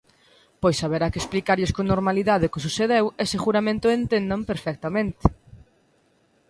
Pois haberá que explicarlles con normalidade o que sucedeu e seguramente o entendan perfectamente.